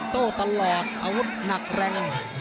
โต้ตลอดเอาหนักแรง